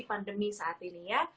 pandemi saat ini ya